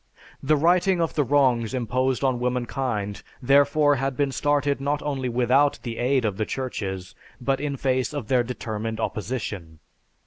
The righting of the wrongs imposed on womankind therefore had been started not only without the aid of the churches but in face of their determined opposition.